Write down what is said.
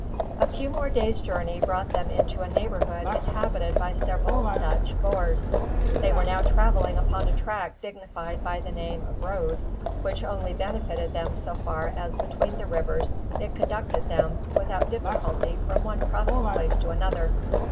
A few more days' journey brought them into a neighbourhood inhabited by several Dutch "boers." They were now travelling upon a track dignified by the name of "road," which only benefited them so far as between the rivers it conducted them without difficulty from one crossing place to another.